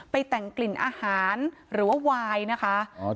แต่งกลิ่นอาหารหรือว่าวายนะคะ